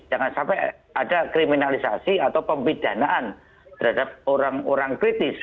jangan sampai ada kriminalisasi atau pemidanaan terhadap orang orang kritis